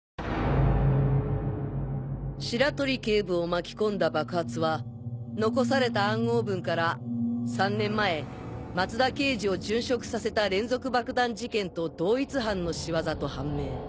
白鳥警部を巻き込んだ爆発は残された暗号文から３年前松田刑事を殉職させた連続爆弾事件と同一犯の仕業と判明。